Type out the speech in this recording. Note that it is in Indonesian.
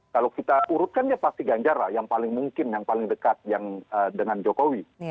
kalau kita urutkannya pasti ganjar lah yang paling mungkin yang paling dekat dengan jokowi